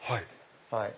はい。